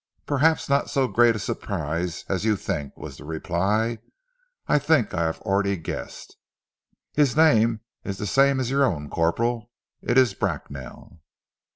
"Perhaps not so great a surprise as you think," was the reply. "I think I have already guessed." "His name is the same as your own, Corporal. It is Bracknell!"